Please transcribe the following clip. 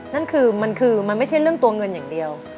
นั่นคือมันคือมันไม่ใช่เรื่องตัวเงินอย่างเดียว